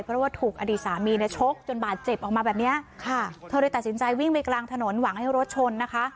เพราะว่าถูกอดีตสามีเนี่ยชกจนบาดเจ็บออกมาแบบเนี้ยค่ะเธอเลยตัดสินใจวิ่งไปกลางถนนหวังให้รถชนนะคะ